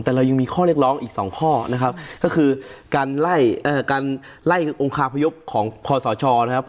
แต่เรายังมีข้อเรียกร้องอีกสองข้อนะครับก็คือการไล่การไล่องคาพยพของคศนะครับ